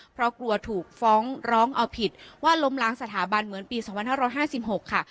เพราะกลัวถูกฟ้องร้องเอาผิดว่าล้มล้างสถาบันเหมือนปี๒๕๕๖ค่ะ